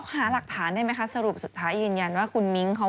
หาหลักฐานได้ไหมคะสรุปสุดท้ายยืนยันว่าคุณมิ้งเขา